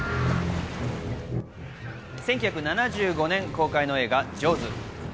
１９７５年公開の映画『ジョーズ』。